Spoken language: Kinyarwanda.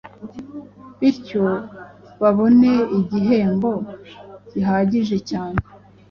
bityo babone igihembo gihagije cyane